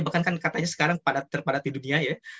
bahkan kan katanya sekarang terpadat di dunia ya